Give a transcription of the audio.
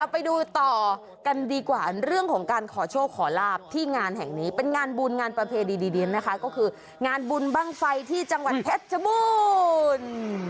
ไปดูต่อกันดีกว่าเรื่องของการขอโชคขอลาบที่งานแห่งนี้เป็นงานบุญงานประเพณีดีนนะคะก็คืองานบุญบ้างไฟที่จังหวัดเพชรชบูรณ์